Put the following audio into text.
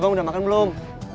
abang udah makan belum